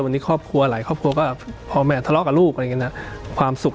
วันนี้ครอบครัวหลายครอบครัวก็พอแม่ทะเลาะกับลูกอะไรอย่างนี้นะความสุข